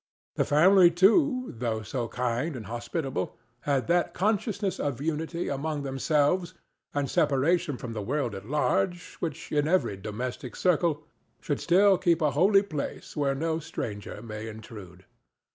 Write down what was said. The family, too, though so kind and hospitable, had that consciousness of unity among themselves and separation from the world at large which in every domestic circle should still keep a holy place where no stranger may intrude.